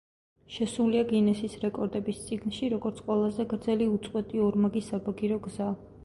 შესულია გინესის რეკორდების წიგნში როგორც ყველაზე გრძელი, უწყვეტი, ორმაგი საბაგირო გზა.